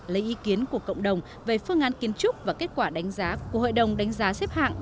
lấy ý kiến của cộng đồng về phương án kiến trúc và kết quả đánh giá của hội đồng đánh giá xếp hạng